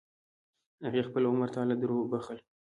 هغې خپل عمر تا له دروبخل.